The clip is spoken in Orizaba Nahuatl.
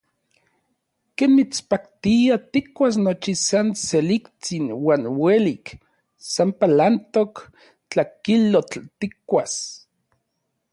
Ken mitspaktia tikkuas nochi san seliktsin uan uelik, san palantok tlakilotl tikkuas.